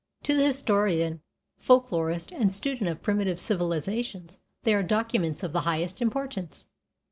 To the historian, folklorist, and student of primitive civilizations they are documents of the highest importance.